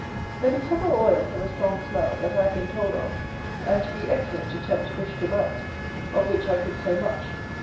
There be several oils of a strong smell that I have been told of, and to be excellent to tempt fish to bite, of which I could say much.